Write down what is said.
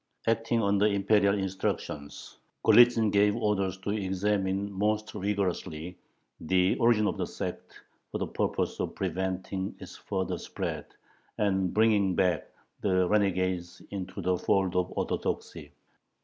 Acting under Imperial instructions, Golitzin gave orders "to examine most rigorously" the origin of the "sect," for the purpose of preventing its further spread and bringing back the renegades into the fold of Orthodoxy.